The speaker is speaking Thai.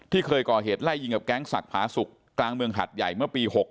เคยก่อเหตุไล่ยิงกับแก๊งศักดิ์ผาสุกกลางเมืองหัดใหญ่เมื่อปี๖๖